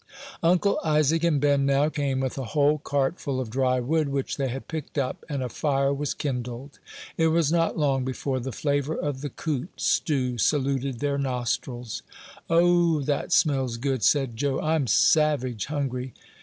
Uncle Isaac and Ben now came with a whole cart full of dry wood, which they had picked up, and a fire was kindled. It was not long before the flavor of the coot stew saluted their nostrils. "O, that smells good," said Joe; "I'm savage hungry."